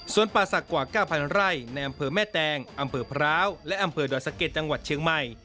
ส่วนป่าศักดิ์กว่า๙๐๐ไร่ในอำเภอแม่แตงอำเภอพร้าวและอำเภอดอยสะเก็ดจังหวัดเชียงใหม่